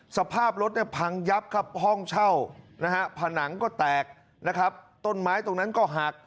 สภาพรถเนี่ยพังยับครับห้องเช่านะฮะผนังก็แตกนะครับต้นไม้ตรงนั้นก็หัก